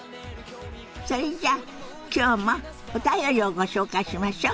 それじゃあ今日もお便りをご紹介しましょ。